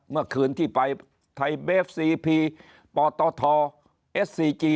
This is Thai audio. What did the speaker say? เมื่อคืนที่ไปไทยเบฟซีพีปตทเอสซีจี